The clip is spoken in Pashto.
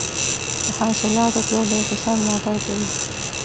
د حاصلاتو پلور د اقتصاد ملاتړ کوي.